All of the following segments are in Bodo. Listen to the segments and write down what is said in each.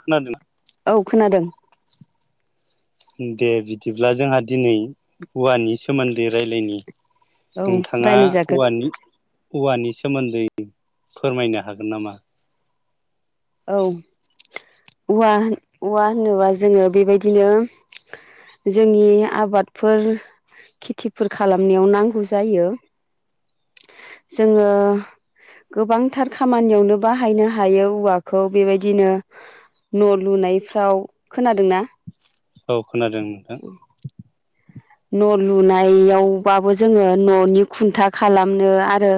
खोनादोना? औ खोनादों। दे बिदिब्ला जोंहा दिनै औवानि सोमोन्दै राय लायनि। औ रायलायजागोन। औवानि सोमोन्दै फोरमायनो हागोन नामा? औ औवा औवा होनोबा जोङो बेबायदिनो जोंनि आबादफोर खेथिफोर खालामनायाव नांगौ जायो जोङो गोबांथार खामानियावनो बाहायनो हायो औवा खौ बेबायदिनो न' लुनायफ्राव, खोनादोंना? औ खोनादों नोंथां। न' लुनायावबाबो जोङो न'नि खुन्था खालामनो आरो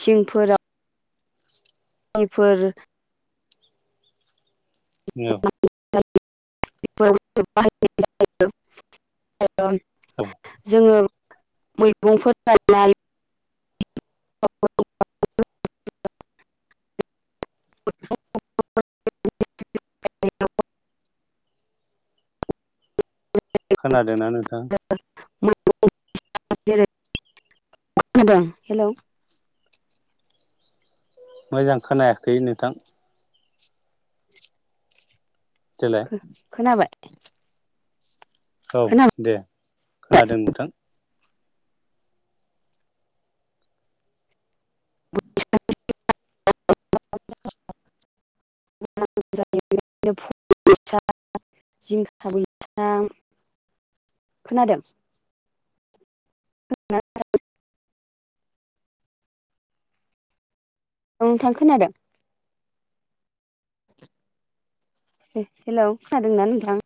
थिंफोरा [unintelligible] फोर औ [unintelligible] [unintelligible] जोङो मैगंफोर गायनाय [unintelligible] [unintelligible] खोनादोंना नोंथां? [unintelligible] खोनादों हेलौ! मोजां खोनायाखै नोंथां। देलाय खो-खोनाबाय? औ खोनाबाय दे खोनादों नोंथां। [unintelligible] खोनादों? [unintelligible] नोंथां खोनादों? हे-हेलौ खोनादोंना नोंथां?